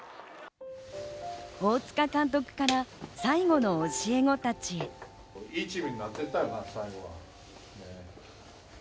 大塚監督から最後の教え子たちへ。